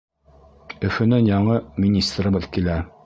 Өфөнән яңы министрыбыҙ килә.